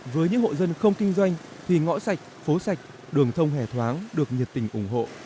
với những hộ dân không kinh doanh thì ngõ sạch phố sạch đường thông hề thoáng được nhiệt tình ủng hộ